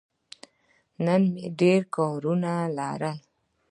نن مې ډېر کارونه لرل.